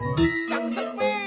burr yang sedih